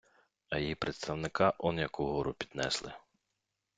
А її представника он як угору піднесли.